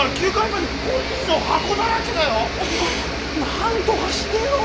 なんとかしてよ。